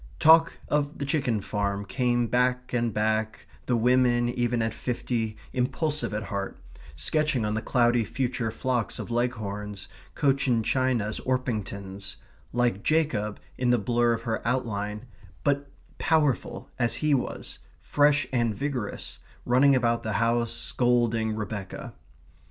Talk of the chicken farm came back and back, the women, even at fifty, impulsive at heart, sketching on the cloudy future flocks of Leghorns, Cochin Chinas, Orpingtons; like Jacob in the blur of her outline; but powerful as he was; fresh and vigorous, running about the house, scolding Rebecca.